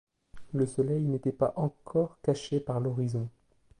Le soleil n'était pas encore caché par l'horizon.